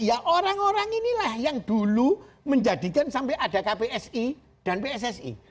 ya orang orang inilah yang dulu menjadikan sampai ada kpsi dan pssi